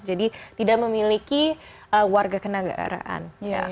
jadi tidak memiliki warga kenagaraan